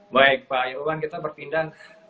baik pak irwan kita berpindah